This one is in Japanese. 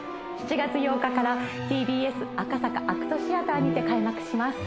７月８日からＴＢＳ赤坂ＡＣＴシアターにて開幕します